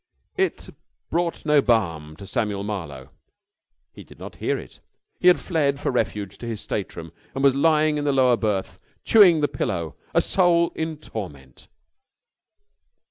It brought no balm to Samuel Marlowe. He did not hear it. He had fled for refuge to his stateroom and was lying in the lower berth, chewing the pillow, a soul in torment.